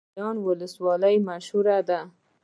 د ګیلان ولسوالۍ مشهوره ده